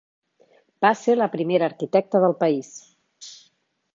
Va ser la primera arquitecta del país.